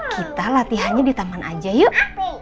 kita latihannya di taman aja yuk